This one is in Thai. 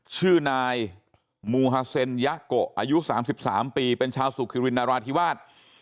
ชื่อนายมูฮาเซนยาโกอายุ๓๓ปีเป็นชาวสุคิรินนราธิวาส